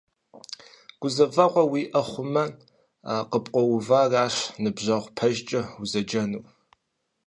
Гузэвэгъуэ уиӀэ хъумэ, къыпкъуэувэращ ныбжьэгъу пэжкӀэ узэджэнур.